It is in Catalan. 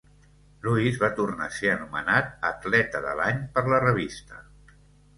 Lewis va tornar a ser anomenat Atleta de l"any per la revista.